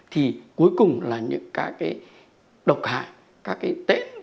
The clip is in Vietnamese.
thì cuối cùng là những cái độc hại các cái tết